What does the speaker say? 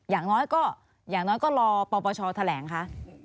อย่างน้อยก็ลอปคแถล่งคะ